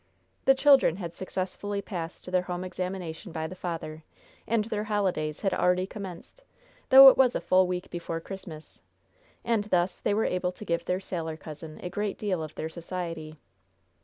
The children had successfully passed their home examination by the father, and their holidays had already commenced, though it was a full week before Christmas. And thus they were able to give their sailor cousin a great deal of their society.